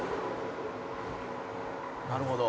「なるほど」